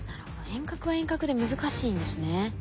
遠隔は遠隔で難しいんですね。